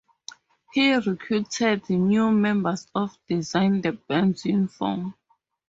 He recruited new members and designed the band's uniform.